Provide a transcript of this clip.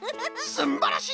すんばらしい